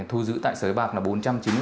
thu giữ tại sới bạc là bộ phòng trung cư